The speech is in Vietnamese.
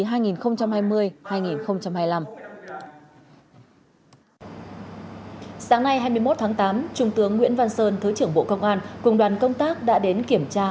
sáng nay hai mươi một tháng tám trung tướng nguyễn văn sơn thứ trưởng bộ công an cùng đoàn công tác đã đến kiểm tra